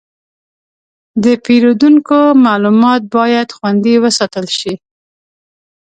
د پیرودونکو معلومات باید خوندي وساتل شي.